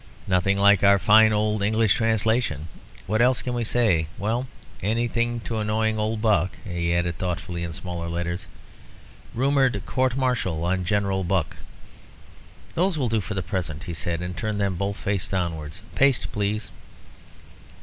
_" "(Nothing like our fine old English translation.) What else can we say? Well, anything to annoy old Buck;" and he added, thoughtfully, in smaller letters "Rumoured Court martial on General Buck." "Those will do for the present," he said, and turned them both face downwards. "Paste, please."